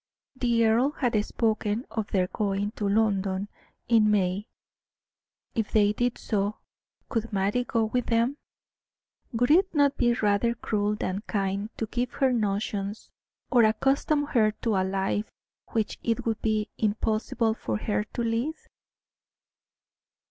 The earl had spoken of their going to London in May, if they did so, could Mattie go with them? Would it not be rather cruel than kind to give her notions, or accustom her to a life which it would be impossible for her to lead?